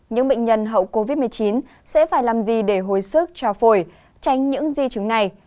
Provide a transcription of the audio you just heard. những bệnh nhân hậu covid một mươi chín sẽ phải làm gì để hồi sức cho phổi tránh những di chứng này